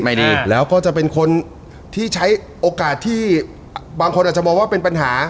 ดีแล้วก็จะเป็นคนที่ใช้โอกาสที่บางคนอาจจะมองว่าเป็นปัญหา